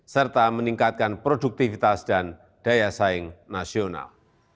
serta meningkatkan produktivitas dan daya saing nasional